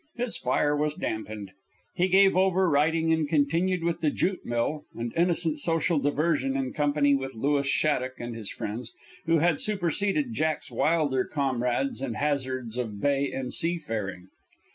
His fire was dampened; he gave over writing and continued with the jute mill and innocent social diversion in company with Louis Shattuck and his friends, who had superseded Jack's wilder comrades and hazards of bay and sea faring.